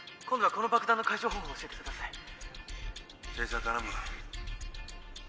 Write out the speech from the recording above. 今度はこの爆弾の解除方法を教えてください。